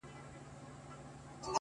• درته خبره كوم ـ